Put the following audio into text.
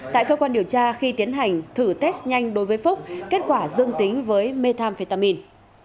tại cơ quan điều tra khi tiến hành thử test nhanh đối với phúc kết quả dương tính với methamphetamin